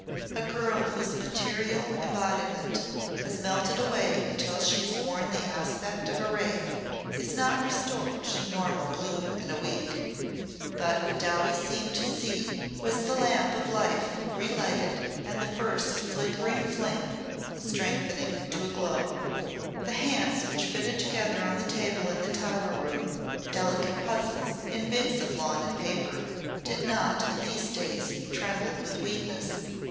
A girl whose material embodiment has melted away until she has worn the aspect of a wraith is not restored to normal bloom in a week. But what Dowie seemed to see was the lamp of life relighted and the first flickering flame strengthening to a glow. The hands which fitted together on the table in the Tower room delicate puzzles in bits of lawn and paper, did not in these days tremble with weakness.